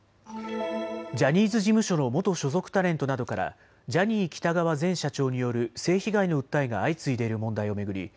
ジャニーズ事務所の元所属タレントなどからジャニー喜多川前社長による性被害の訴えが相次いでいる問題を巡り